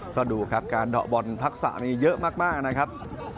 ก็ดูครับการดอกบอลภักษณ์สามนี้เยอะมากนะครับ